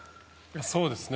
そうですね。